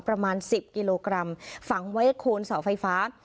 ประมาณ๑๐กิโลกรัมฝังไว้โคนเสาไฟฟ้า